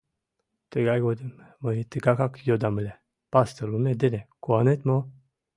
Тыгай годым мый тыгакак йодам ыле: пастор улмет дене куанет мо?